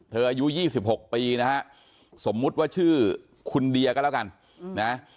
อายุ๒๖ปีนะฮะสมมุติว่าชื่อคุณเดียก็แล้วกันนะ